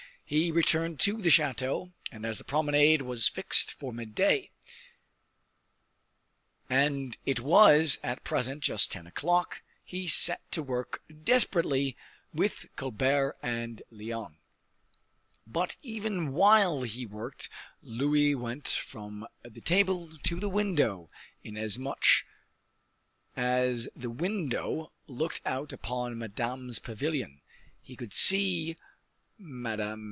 He returned to the chateau, and as the promenade was fixed for midday, and it was at present just ten o'clock, he set to work desperately with Colbert and Lyonne. But even while he worked Louis went from the table to the window, inasmuch as the window looked out upon Madame's pavilion: he could see M.